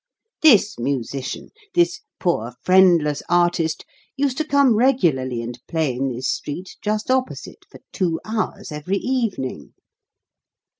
"This musician this poor, friendless artist used to come regularly and play in this street just opposite for two hours every evening.